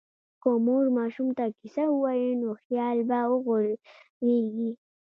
که مور ماشوم ته کیسه ووایي، نو خیال به وغوړېږي.